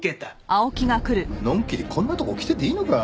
のんきにこんなとこ来てていいのか？